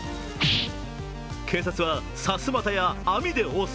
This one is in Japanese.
警察はさすまたや網で応戦。